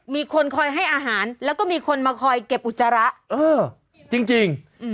มีคนคอยให้อาหารแล้วก็มีคนมาคอยเก็บอุจจาระเออจริง